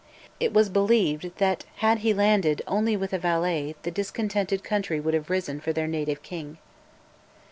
It was believed that had he landed only with a valet the discontented country would have risen for their native king.